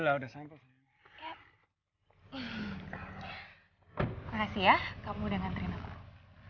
kamu dengan rino